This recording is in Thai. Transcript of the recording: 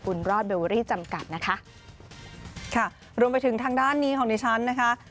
คุณรอดเบอรี่จำกัดนะคะค่ะรวมไปถึงทางด้านนี้ของดิฉันนะคะ